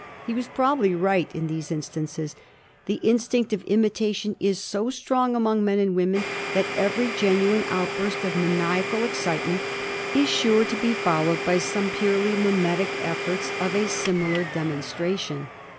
He was probably right in these in stances : the instinct of imitation is so strong among men and women that every genuine outburst of maniacal ex citement is sure to be followed by some purely mimetic efforts of a similar demonstration.